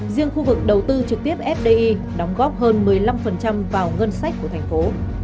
riêng khu vực đầu tư trực tiếp fdi đóng góp hơn một mươi năm vào ngân sách của thành phố